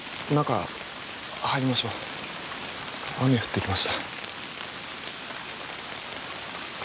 雨、降ってきました。